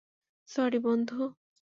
Sorry, বন্ধু।